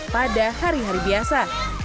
pada hari hari biasa